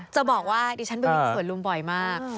จะบอกว่าดิฉันไปวิ่งสวนลุมบ่อยมาก